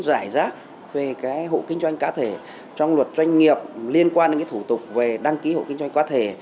giải rác về cái hộ kinh doanh cá thể trong luật doanh nghiệp liên quan đến cái thủ tục về đăng ký hộ kinh doanh cá thể